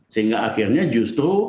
sehingga akhirnya justru